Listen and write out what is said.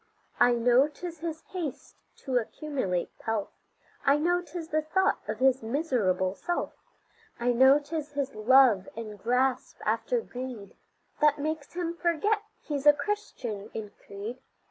I know 'tis his haste to accumulate pelf, I know 'tis the thought of his miserable self. I know 'tis his love and grasp after greed That makes him forget he's a Christian in creed.